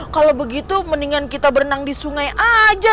kalau begitu mendingan kita berenang di sungai aja